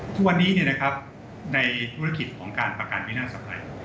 ทุกวันนี้ในธุรกิจของการประกันวินาศสำคัญ